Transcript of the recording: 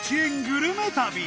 グルメ旅